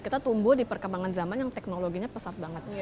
kita tumbuh di perkembangan zaman yang teknologinya pesat banget